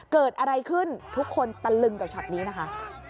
เกิดอะไรขึ้นทุกคนตะลึงกับช็อตนี้นะคะ